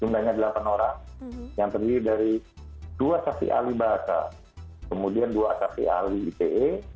jumlahnya delapan orang yang terdiri dari dua saksi alis bahasa kemudian dua saksi alis ite